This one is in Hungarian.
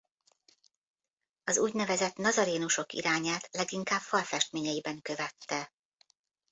Az úgynevezett nazarénusok irányát leginkább falfestményeiben követte.